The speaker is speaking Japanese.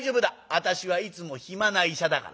私はいつも暇な医者だからな。